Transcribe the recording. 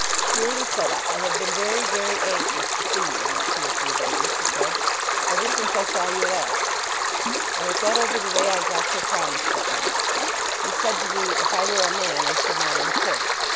"Dear Lucetta, I have been very, very anxious to see you these two or three days," he said, "ever since I saw you last! I have thought over the way I got your promise that night. You said to me, 'If I were a man I should not insist.